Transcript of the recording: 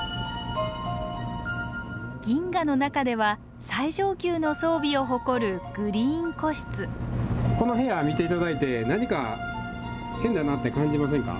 銀河の中では最上級の装備を誇るグリーン個室この部屋見て頂いて何か変だなって感じませんか？